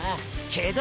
けど。